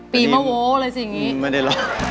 ปีเมาโหวบอะไรสิอย่างนี้